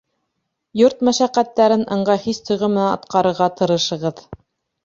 Йорт мәшәҡәттәрен ыңғай хис-тойғо менән атҡарырға тырышығыҙ.